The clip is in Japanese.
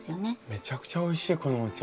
めちゃくちゃおいしいこのお茶。